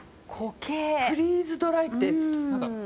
フリーズドライって。